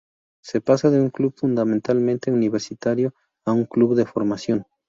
Se pasa de un club fundamentalmente universitario, a un club de formación.